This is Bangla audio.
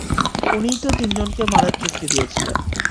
উনিই তো তিনজনকে মারার চুক্তি দিয়েছিলেন।